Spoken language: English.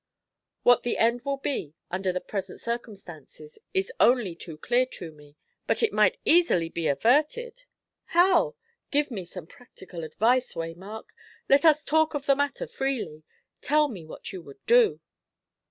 "What the end will be, under the present circumstances, is only too clear to me. But it might easily be averted?" "How? Give me some practical advice, Waymark! Let us talk of the matter freely. Tell me what you would do!"